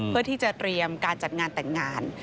เพื่อที่จะเตรียมการจัดงานแต่งงาน